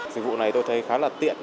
dịch vụ này tôi thấy khá là tiện